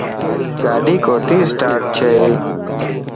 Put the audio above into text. گاڏي ڪوتي اسٽاٽ ڇئي